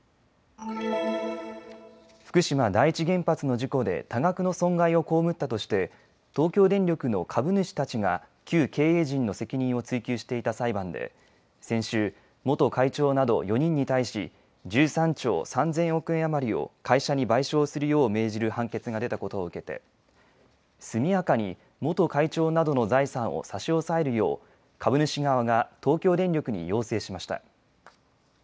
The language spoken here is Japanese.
福島第一原発の事故で多額の損害を被ったとして東京電力の株主たちが旧経営陣の責任を追及していた裁判で先週、元会長など４人に対し１３兆３０００億円余りを会社に賠償するよう命じる判決が出たことを受けて速やかに元会長などの財産を差し押さえるよう株主側が東京電力に要請しました。